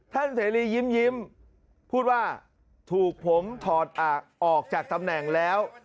เสรียิ้มพูดว่าถูกผมถอดออกจากตำแหน่งแล้ว